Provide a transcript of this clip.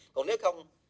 còn nếu không